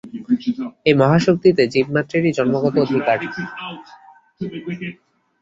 এই মহাশক্তিতে জীবমাত্রেরই জন্মগত অধিকার।